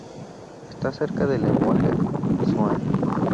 Está cerca del lenguaje Zhuang.